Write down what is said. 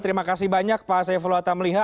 terima kasih banyak pak saefula atamliha